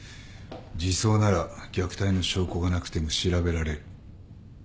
児相なら虐待の証拠がなくても調べられる。